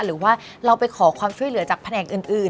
หรือว่าเราไปขอความช่วยเหลือจากแผนกอื่น